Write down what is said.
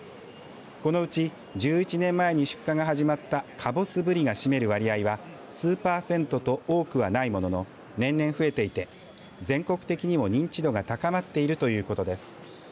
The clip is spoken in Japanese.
このうち１１年前に出荷が始まったかぼすブリが占める割合は数パーセントと多くはないものの年々増えていて全国的にも認知度が高まっているということです。